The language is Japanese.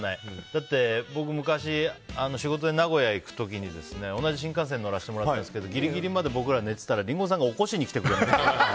だって僕、昔仕事で名古屋行く時に同じ新幹線乗らせてもらったんですけどギリギリまで僕らが寝てたらリンゴさんが起こしに来てくれて。